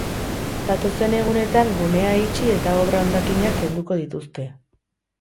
Datozen egunetan gunea itxi eta obra-hondakinak kenduko dituzte.